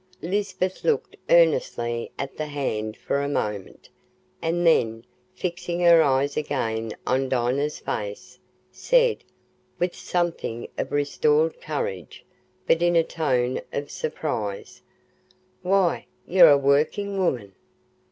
Lisbeth looked earnestly at the hand for a moment, and then, fixing her eyes again on Dinah's face, said, with something of restored courage, but in a tone of surprise, "Why, ye're a workin' woman!"